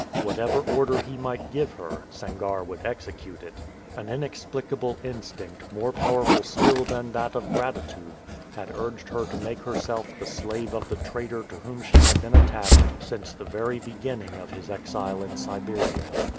Whatever order he might give her, Sangarre would execute it. An inexplicable instinct, more powerful still than that of gratitude, had urged her to make herself the slave of the traitor to whom she had been attached since the very beginning of his exile in Siberia.